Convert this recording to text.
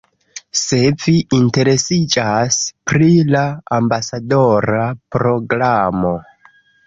Se vi interesiĝas pri la ambasadora programo